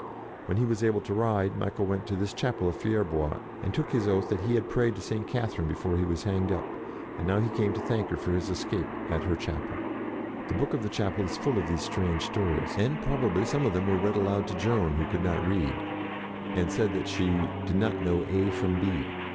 When he was able to ride, Michael went to this chapel of Fier bois, and took his oath that he had prayed to St. Catherine before he was hanged up, and now he came to thank her for his escape at her chapel. The book of the chapel is full of these strange stories, and probably some of them were read aloud to Joan, who could not read, and said that she "did not know A from B."